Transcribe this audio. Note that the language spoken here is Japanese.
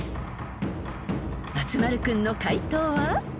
［松丸君の解答は］